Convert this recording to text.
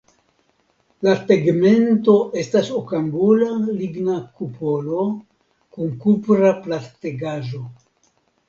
La tegmento estas okangula ligna kupolo kun kupra plattegaĵo.